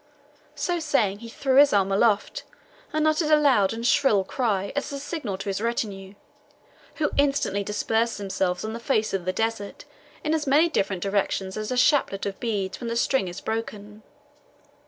So saying, he threw his arm aloft, and uttered a loud and shrill cry, as a signal to his retinue, who instantly dispersed themselves on the face of the desert, in as many different directions as a chaplet of beads when the string is broken.